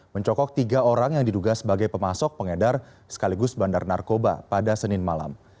mencokok tiga orang yang diduga sebagai pemasok pengedar sekaligus bandar narkoba pada senin malam